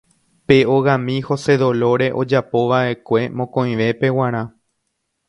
Pe ogami Hosedolóre ojapovaʼekue mokõivépe g̃uarã.